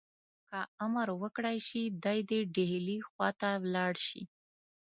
که امر وکړای شي دی دي ډهلي خواته ولاړ شي.